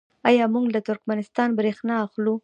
آیا موږ له ترکمنستان بریښنا اخلو؟